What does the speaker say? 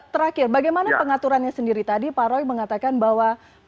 terakhir bagaimana pengaturannya sendiri tadi pak roy mengatakan bahwa